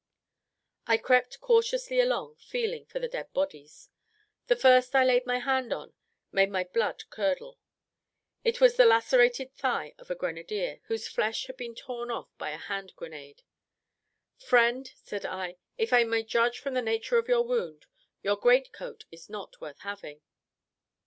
I crept cautiously along, feeling for the dead bodies. The first I laid my hand on, made my blood curdle. It was the lacerated thigh of a grenadier, whose flesh had been torn off by a hand grenade. "Friend," said I, "if I may judge from the nature of your wound, your great coat is not worth having."